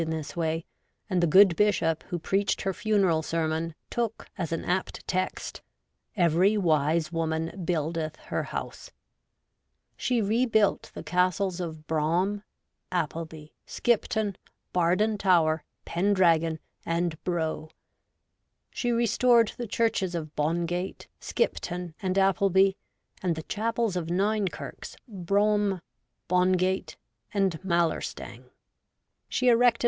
in this way, and the good bishop who preached her funeral sermon took, as an apt text, ' Every wise woman buildeth her house.' She rebuilt the castles of Brougham, Appleby, Skipton, Bardon Tower, Pendragon, and Brough ; she restored the churches of Bongate> Skipton, and Appleby, and the chapels of Ninekirks, Brougham, Bongate, and Mallerstang ; she erected 74 REVOLTED WOMAN.